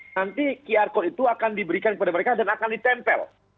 nanti qr code itu akan diberikan kepada mereka dan akan ditempel